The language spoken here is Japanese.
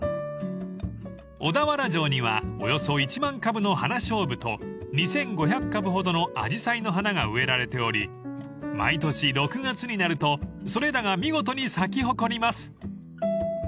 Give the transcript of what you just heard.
［小田原城にはおよそ１万株のハナショウブと２，５００株ほどのアジサイの花が植えられており毎年６月になるとそれらが見事に咲き誇ります］